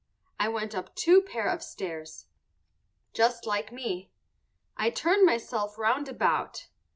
_ I went up two pair of stairs. Just like me. I turned myself round about.